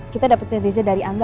kita dapetin riza dari angga